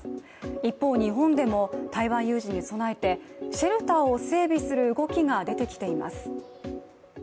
一方、日本でも台湾有事に備えてシェルターを整備する動きが出てきています。